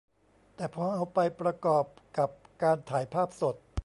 แต่พอเอาไปประกอบกับการถ่ายภาพสด